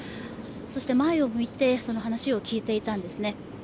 そして前を向いて、その話を聞いていたんですね。